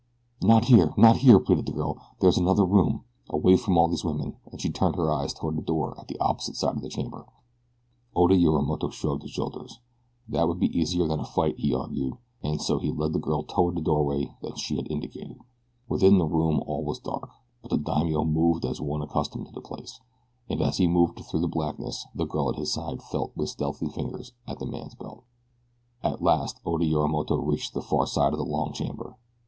"Not here! Not here!" pleaded the girl. "There is another room away from all these women," and she turned her eyes toward the door at the opposite side of the chamber. Oda Yorimoto shrugged his shoulders. That would be easier than a fight, he argued, and so he led the girl toward the doorway that she had indicated. Within the room all was dark, but the daimio moved as one accustomed to the place, and as he moved through the blackness the girl at his side felt with stealthy fingers at the man's belt. At last Oda Yorimoto reached the far side of the long chamber.